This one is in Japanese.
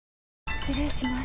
失礼します。